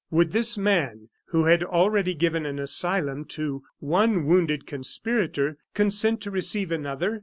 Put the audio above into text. Would this man, who had already given an asylum to one wounded conspirator, consent to receive another?